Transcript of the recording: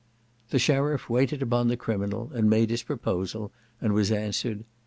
The sheriff waited upon the criminal, and made his proposal, and was answered.